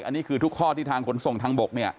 อันนี้คือทุกข้อที่ทางขนส่งทางบก